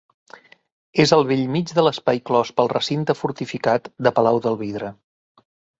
És al bell mig de l'espai clos pel recinte fortificat de Palau del Vidre.